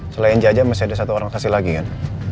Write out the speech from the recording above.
selain jaja masih ada satu orang kasih lagi kan